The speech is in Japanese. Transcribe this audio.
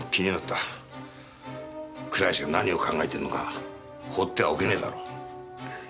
倉石が何を考えてるのか放ってはおけねえだろう。